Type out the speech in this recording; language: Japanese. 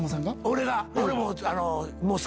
俺が。